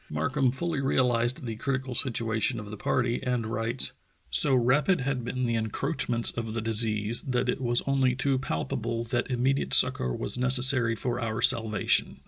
Markham fully realized the critical situation of the party and writes: "So rapid had been the encroach ments of the disease that it was only too palpable that immediate succor was necessary for our salvation.